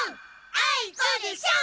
あいこでしょ！